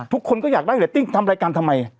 ทุกคนก็อยากได้เรตติ้งทำรายการทำไม